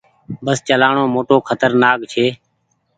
بس چلآڻو موٽو کترنآڪ ڇي۔